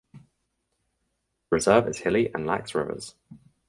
The reserve is hilly and lacks rivers.